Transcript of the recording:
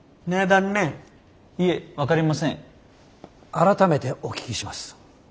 改めてお聞きします。